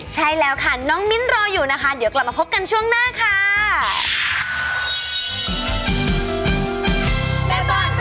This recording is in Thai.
ใช่แล้วค่ะน้องมิ้นรออยู่นะคะเดี๋ยวกลับมาพบกันช่วงหน้าค่ะ